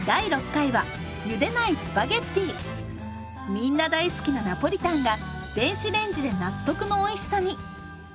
みんな大好きな「ナポリタン」が電子レンジで納得のおいしさに！